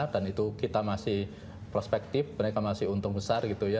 dan itu kita masih prospektif mereka masih untung besar gitu ya